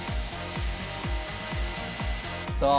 さあ。